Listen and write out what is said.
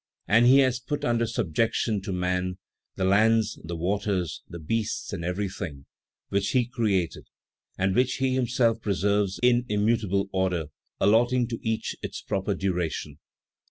"And He has put under subjection to man, the lands, the waters, the beasts and everything which He created, and which He himself preserves in immutable order, allotting to each its proper duration.